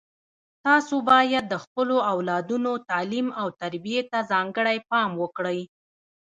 تاسو باید د خپلو اولادونو تعلیم او تربیې ته ځانګړی پام وکړئ